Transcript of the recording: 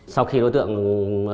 sau khi đối tượng vây bắt